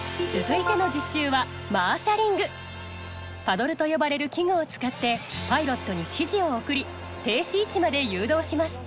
パドルと呼ばれる器具を使ってパイロットに指示を送り停止位置まで誘導します。